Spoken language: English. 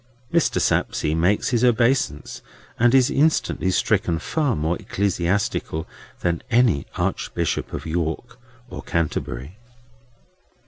Mr. Sapsea makes his obeisance, and is instantly stricken far more ecclesiastical than any Archbishop of York or Canterbury.